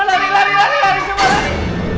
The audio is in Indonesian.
lari lari team berlari